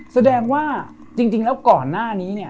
แสดงจริงก่อนหน้านี้